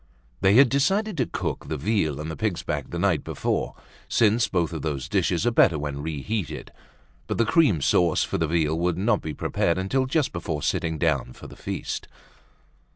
They had decided to cook the veal and the pig's back the night before, since both of those dishes are better when reheated. But the cream sauce for the veal would not be prepared until just before sitting down for the feast.